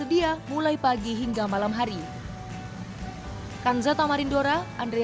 memiliki banyak jika ingin berburu ikan ikan asapnya harus nyelenggi dengan bahaya dan uniqueness